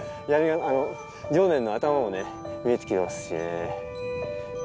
常念の頭も見えてきてますしね。